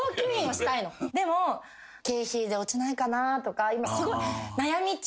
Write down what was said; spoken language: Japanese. でも経費で落ちないかなとか今すごい悩み中。